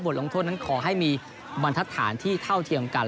ลงโทษนั้นขอให้มีบรรทัศน์ที่เท่าเทียมกัน